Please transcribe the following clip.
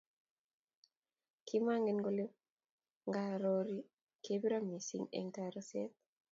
kimangen kole ngarori kebiro missing eng taraset